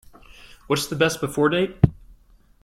What’s the Best Before date?